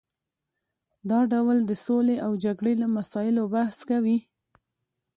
دا ډول د سولې او جګړې له مسایلو بحث کوي